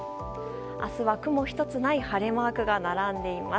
明日は雲一つない晴れマークが並んでいます。